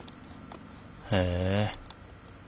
へえ。